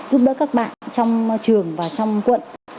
giúp đỡ các bạn trong trường và trong quận